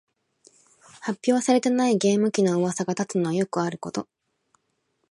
発表されていないゲーム機のうわさが立つのはよくあること